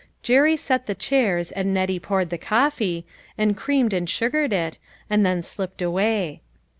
Jerry set the chairs, and Nettie poured the coffee, and creamed and sugared it, and then slipped away.